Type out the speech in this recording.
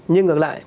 nhưng ngược lại